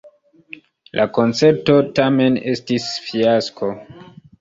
La koncerto tamen estis fiasko.